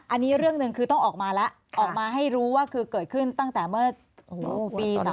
อันนี้เรื่องหนึ่งคือต้องออกมาแล้วออกมาให้รู้ว่าคือเกิดขึ้นตั้งแต่เมื่อปี๒๕๖